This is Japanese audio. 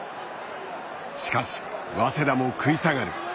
しかし早稲田も食い下がる。